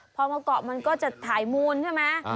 พอมาเกาะมันก็จะถ่ายมูลใช่ไหม